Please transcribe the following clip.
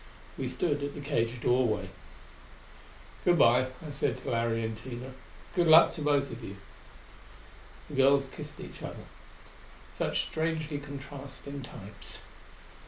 We stood at the cage doorway. "Good by," I said to Larry and Tina. "Good luck to you both!" The girls kissed each other. Such strangely contrasting types!